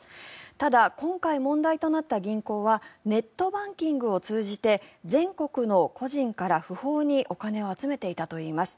ただ、今回問題となった銀行はネットバンキングを通じて全国の個人から、不法にお金を集めていたといいます。